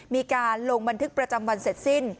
มีการลงบันทึกประจำวันเสร็จสิ้น